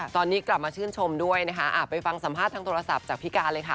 ตอนนี้กลับมาชื่นชมด้วยนะคะไปฟังสัมภาษณ์ทางโทรศัพท์จากพี่การเลยค่ะ